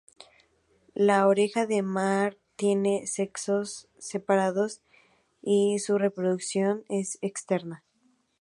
La oreja de mar tiene sexos separados y su reproducción es externa.